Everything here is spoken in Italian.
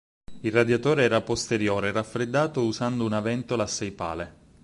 Il radiatore era posteriore e raffreddato usando una ventola a sei pale.